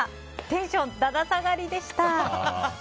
テンションだだ下がりでした。